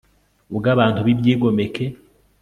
ubwo abantu b'ibyigomeke